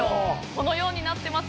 このようになってます。